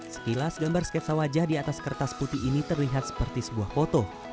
sekilas gambar sketsa wajah di atas kertas putih ini terlihat seperti sebuah foto